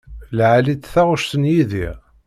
Lɛali-tt taɣect n Yidir.